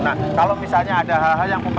nah kalau misalnya ada hal hal yang